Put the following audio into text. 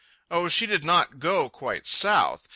Oh, she did not go quite south.